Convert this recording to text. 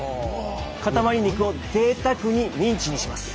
かたまり肉をぜいたくにミンチにします。